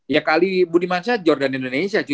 ya kak ali budimanca jordan indonesia